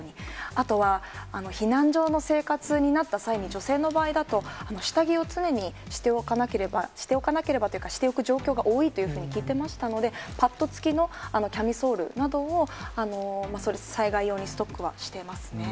あとは、避難所の生活になった際に、女性の場合だと、下着を常にしておかなければ、しておかなければというか、しておく状況が多いというふうに聞いてましたので、パット付きのキャミソールなどを、災害用にストックはしてますね。